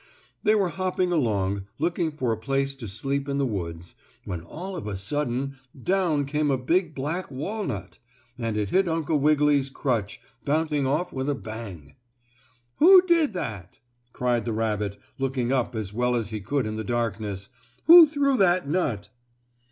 They were hopping along, looking for a place to sleep in the woods, when all of a sudden down came a big black walnut, and it hit Uncle Wiggily's crutch, bouncing off with a bang. "Who did that?" cried the rabbit looking up as well as he could in the darkness. "Who threw that nut?"